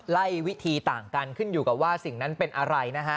วิธีต่างกันขึ้นอยู่กับว่าสิ่งนั้นเป็นอะไรนะฮะ